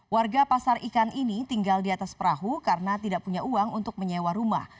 warga pasar ikan ini tinggal di atas perahu karena tidak punya uang untuk menyewa rumah